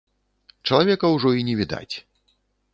Чалавека ўжо і не відаць.